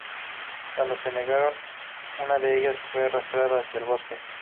Cuando se negaron, una de ellas fue arrastrada hacia el bosque.